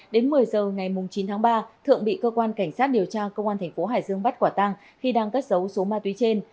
đến một mươi h ngày chín tháng ba thượng bị cơ quan cảnh sát điều tra công an thành phố hải dương bắt quả tăng khi đang cất dấu số ma túy trên